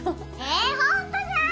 えホントじゃん。